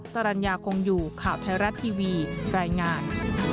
สรรญาคงอยู่ข่าวไทยรัฐทีวีรายงาน